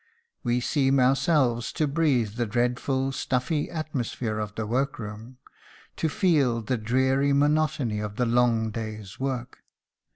We seem ourselves to breathe the dreadful "stuffy" atmosphere of the workroom, to feel the dreary monotony of the long day's work.